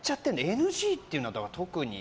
ＮＧっていうのは特に。